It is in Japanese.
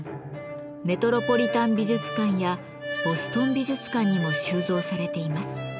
メトロポリタン美術館やボストン美術館にも収蔵されています。